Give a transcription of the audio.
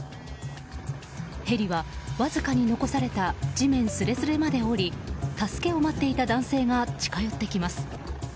ヘリは、わずかに残された地面すれすれまで降り助けを待っていた男性が近寄ってきます。